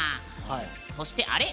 そして、あれ？